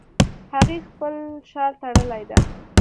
هغې خپل شال تړلی ده